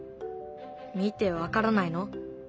見て分からないの？